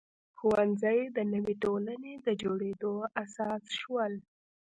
ښوونځي د نوې ټولنې د جوړېدو اساس شول.